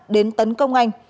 đến tấn công anh